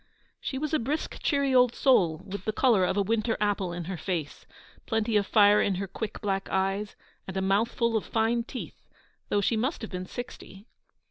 She was a brisk, cheery old soul, with the colour of a winter apple in her face, plenty of fire in her quick black eyes, and a mouthful of fine teeth, though she must have been sixty.